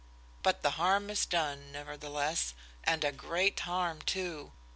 But the harm is done, nevertheless, and a great harm too.